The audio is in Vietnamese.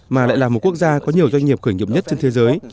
mà lại là một quốc gia có nhiều doanh nghiệp khởi nghiệp nhất trên thế giới